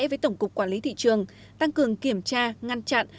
với tổng cục quản lý thị trường tăng cường kiểm tra ngăn chặn